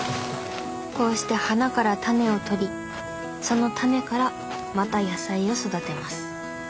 こうして花からタネをとりそのタネからまた野菜を育てます。